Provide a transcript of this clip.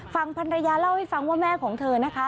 ฟังพันรยาเล่าให้ฟังว่าแม่ของเธอนะคะ